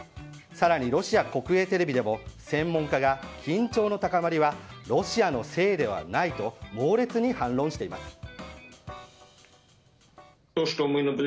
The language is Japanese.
更にロシア国営テレビでも専門家が緊張の高まりはロシアのせいではないと猛烈に反論しています。